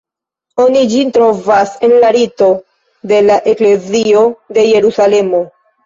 Oni ĝin trovas en la Rito de la Eklezio de Jerusalemo.